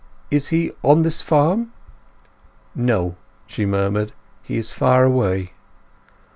Is he on this farm?" "No," she murmured. "He is far away."